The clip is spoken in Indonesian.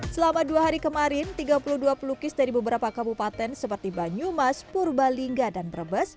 selama dua hari kemarin tiga puluh dua pelukis dari beberapa kabupaten seperti banyumas purbalingga dan brebes